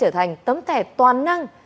sẽ trở thành tấm thẻ toàn năng